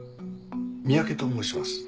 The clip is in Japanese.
三宅と申します。